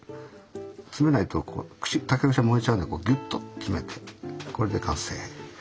詰めないとここ竹串が燃えちゃうんでこうぎゅっと詰めてこれで完成。